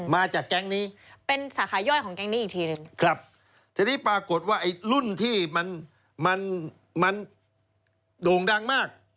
มาจากแก๊งนี้ครับทีนี้ปรากฏว่าไอ้รุ่นที่มันโด่งดังมาก